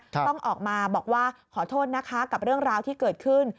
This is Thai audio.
ต้องออกมาบอกว่าขอโทษนะคะกับเรื่องราวที่เกิดขึ้น